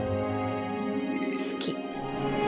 好き。